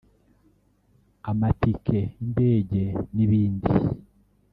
amatike y’indege n’ibindi